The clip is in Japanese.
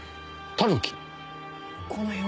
タヌキ。